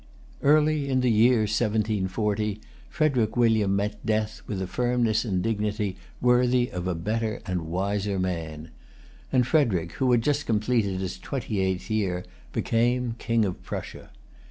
Early in the year 1740 Frederic William met death with a firmness and dignity worthy of a better and wiser man; and Frederic, who had just completed his twenty eighth year, became King of Prussia.